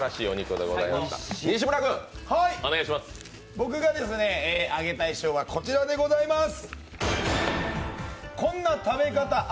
僕があげたい賞はこちらでございます。